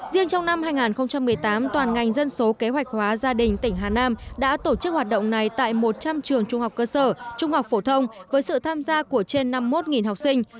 riêng trong năm hai nghìn một mươi tám toàn ngành dân số kế hoạch hóa gia đình tỉnh hà nam đã tổ chức hoạt động này tại một trăm linh trường trung học cơ sở trung học phổ thông với sự tham gia của trên năm mươi một học sinh